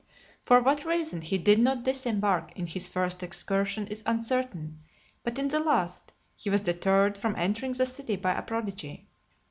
For what reason he did not disembark in his first excursion, is uncertain; but in the last, he was deterred from entering the city by a prodigy.